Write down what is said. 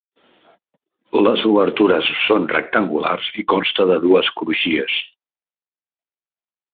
Les obertures són rectangulars i consta de dues crugies.